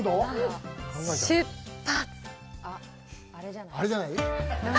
出発。